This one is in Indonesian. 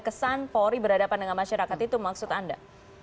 kesan polri berhadapan dengan masyarakat itu maksud anda